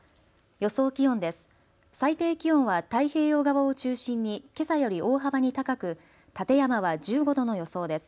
予想気温です。